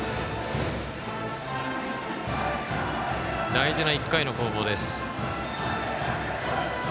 大事な１回の攻防です。